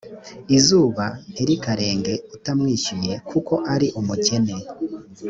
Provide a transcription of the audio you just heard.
izuba ntirikarenge utamwishyuye, kuko ari umukene,